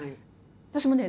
私もね